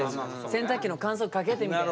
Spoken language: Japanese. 洗濯機の乾燥機かけてみたいな。